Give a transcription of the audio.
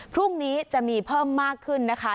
พรุ่งนี้จะมีเพิ่มมากขึ้นนะคะ